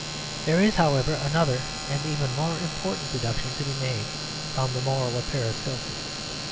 There is, however, another and even more important deduction to be made from the moral of Paracelsus.